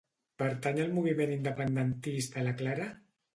Pertany al moviment independentista la Clara?